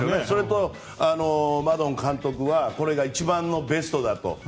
それとマドン監督はこれが一番のベストだと。